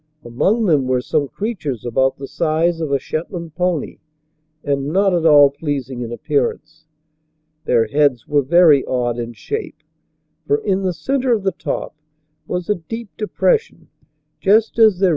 Among them were some creatures about the size of a Shetland pony and not at all pleasing in appearance. Their heads were very odd in shape, for in the center of the top was a deep depression just 101 102 v.